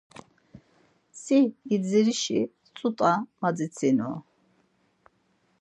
Si gdzirişi ç̌ut̆a madzitsinu.